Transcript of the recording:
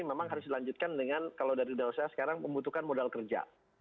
memang harus dilanjutkan dengan kalau dari dunia usaha sekarang membutuhkan modal kerja